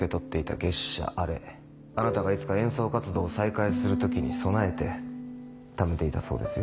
月謝あれあなたがいつか演奏活動を再開する時に備えてためていたそうですよ。